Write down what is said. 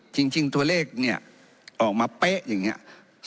จริงตัวเลขเนี่ยออกมาเป๊ะอย่างนี้